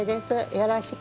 よろしく。